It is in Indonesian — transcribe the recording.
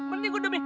penting gue demi